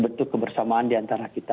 bentuk kebersamaan diantara kita